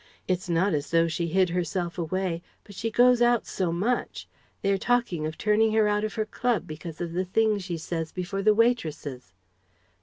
It's not as though she hid herself away, but she goes out so much! They are talking of turning her out of her club because of the things she says before the waitresses..."